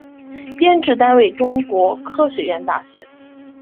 编制单位中国科学院大学